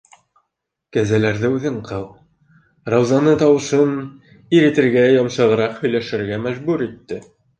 - «Кәзәләрҙе үҙең ҡыу» Раузаны тауышын иретергә, йомшағыраҡ һөйләшергә мәжбүр итте.